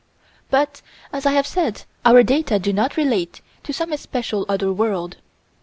But, as I have said, our data do not relate to some especial other world.